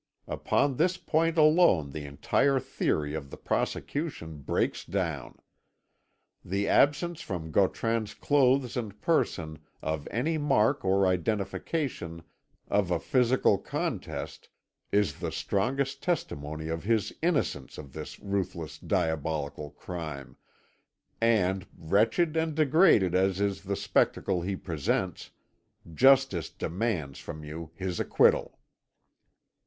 Upon this point alone the entire theory of the prosecution breaks down. The absence from Gautran's clothes and person of any mark or identification of a physical contest is the strongest testimony of his innocence of this ruthless, diabolical crime; and, wretched and degraded as is the spectacle he presents, justice demands from you his acquittal.